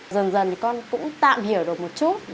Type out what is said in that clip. dần dần con cũng tạm hiểu được một chút